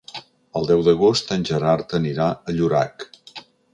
El deu d'agost en Gerard anirà a Llorac.